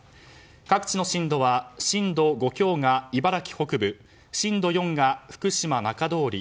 各地の震度は震度５強が茨城北部震度４が福島中通り